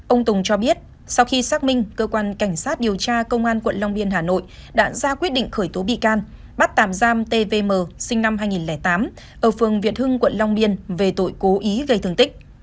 ông tùng cho biết sau khi xác minh cơ quan cảnh sát điều tra công an quận long biên hà nội đã ra quyết định khởi tố bị can bắt tạm giam tvm sinh năm hai nghìn tám ở phường việt hưng quận long biên về tội cố ý gây thương tích